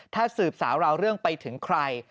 ถ้าสืบสาวราวเรื่องไปถึงใคร